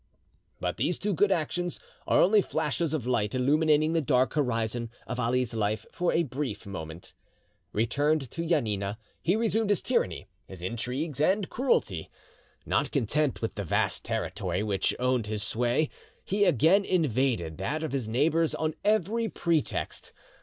But these two good actions are only flashes of light illuminating the dark horizon of Ali's life for a brief moment. Returned to Janina, he resumed his tyranny, his intrigues, and cruelty. Not content with the vast territory which owned his sway, he again invaded that of his neighbours on every pretext.